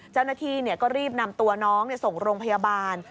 เจ้าหน้าที่ก็รีบนำตัวน้องส่งโรงพยาบาล